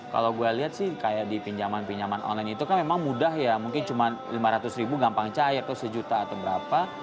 kalau gue lihat sih kayak di pinjaman pinjaman online itu kan memang mudah ya mungkin cuma lima ratus ribu gampang cair tuh sejuta atau berapa